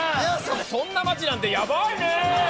そんな町なんてやばいねー！